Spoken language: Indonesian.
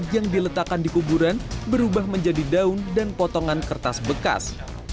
yang diletakkan di kuburan berubah menjadi daun dan potongan kertas bekas